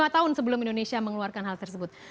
lima tahun sebelum indonesia mengeluarkan hal tersebut